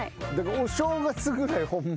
お正月ぐらいホンマ